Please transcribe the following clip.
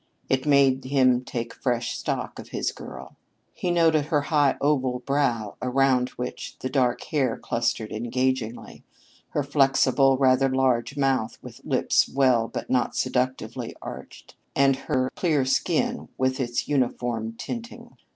It made him take fresh stock of his girl. He noted her high oval brow around which the dark hair clustered engagingly; her flexible, rather large mouth, with lips well but not seductively arched, and her clear skin with its uniform tinting.